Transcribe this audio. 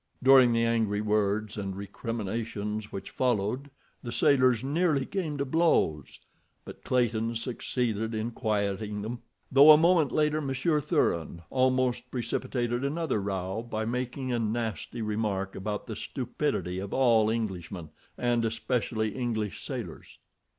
During the angry words and recriminations which followed the sailors nearly came to blows, but Clayton succeeded in quieting them; though a moment later Monsieur Thuran almost precipitated another row by making a nasty remark about the stupidity of all Englishmen, and especially English sailors.